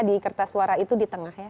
di kertas suara itu di tengah ya